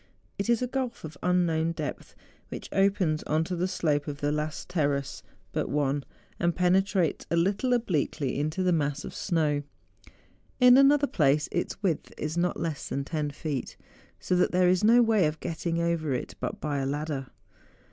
It is a gulf of an unknown depth, which opens on to the slope of the last terrace but one, and penetrates a little obliquely into the mass of snow: in another place its width is not less than 10 feet, so that there is no way of getting over it but by a ladder.